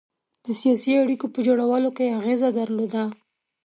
د سیاسي اړېکو په جوړولو کې اغېزه درلوده.